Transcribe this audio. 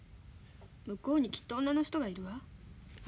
向こうにきっと女の人がいるわ。